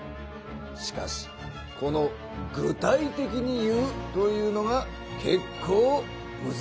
しかしこの「具体的に言う」というのがけっこうむずかしいのだ。